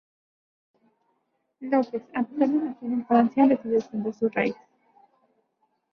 Lopes, a pesar de nacer en Francia, decidió defender su raíces.